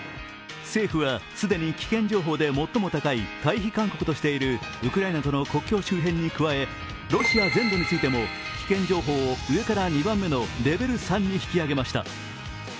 政府は既に危険情報で最も高い退避勧告としているウクライナとの国境周辺に加えロシア全土についても危険情報を上から２番目のレベル３に引き上げました。